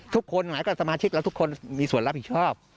ทุกคนหมายความรับผิดชอบทุกคนมีสวนรับผิดชอบ